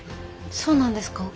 そうなんですか。